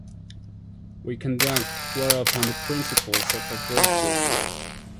We conduct war upon the principles of favouritism.